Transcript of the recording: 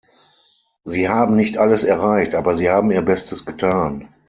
Sie haben nicht alles erreicht, aber Sie haben Ihr Bestes getan.